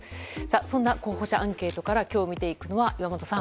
そんな候補者アンケートから今日見ていくのは、岩本さん。